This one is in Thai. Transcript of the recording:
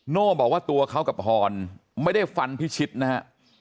โน่บอกว่าตัวเขากับพรไม่ได้ฟันพิชิตนะฮะ